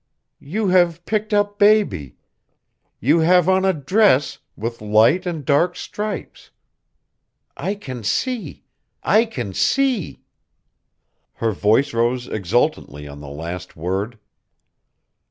"You have picked up baby. You have on a dress with light and dark stripes. I can see I can see." Her voice rose exultantly on the last word.